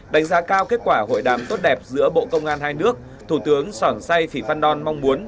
đánh giá cao kết quả hội đàm tốt đẹp giữa bộ công an hai nước thủ tướng sỏng sai sĩ văn đoan mong muốn